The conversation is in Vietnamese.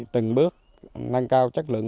từng bước nâng cao chất lượng